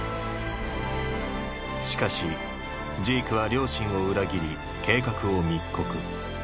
しかしジークは両親を裏切り計画を密告。